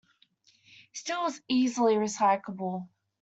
Steel is easily recyclable.